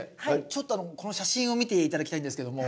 ちょっとこの写真を見て頂きたいんですけども。